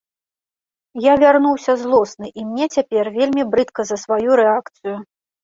Я вярнуўся злосны, і мне цяпер вельмі брыдка за сваю рэакцыю.